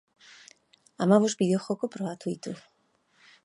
Hamabost bideojoko probatu ditu.